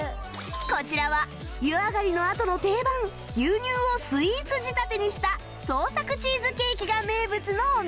こちらは湯上がりのあとの定番牛乳をスイーツ仕立てにした創作チーズケーキが名物のお店